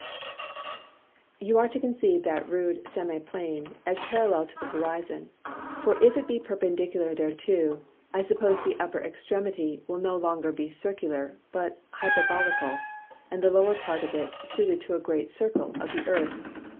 _ You are to conceive that (rude) Semiplane, as parallel to the Horizon: For if it be perpendicular thereunto, I suppose the upper extremity will be no longer Circular, but Hyperbolical, and the lower part of it suited to a greater Circle of the Earth.